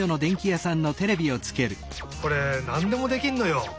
これなんでもできるのよ。